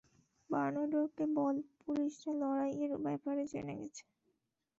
বার্নার্ডোকে বল, পুলিশরা লড়াইয়ের ব্যাপারে জেনে গেছে।